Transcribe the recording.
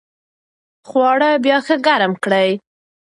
خواړه بیا ښه ګرم کړئ.